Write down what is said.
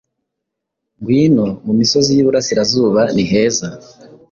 Ngwino mu misozi y'iburasirazuba ni heza,